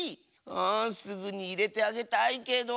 あすぐにいれてあげたいけど。